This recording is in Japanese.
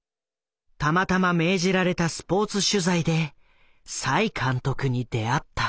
たまたま命じられたスポーツ取材で栽監督に出会った。